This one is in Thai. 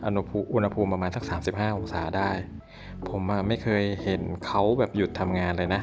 อุณหภูมิประมาณสักสามสิบห้าองศาได้ผมอ่ะไม่เคยเห็นเขาแบบหยุดทำงานเลยนะ